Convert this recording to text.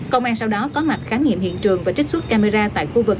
công an sau đó có mặt khám nghiệm hiện trường và trích xuất camera tại khu vực